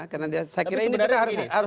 tapi sebenarnya ini harus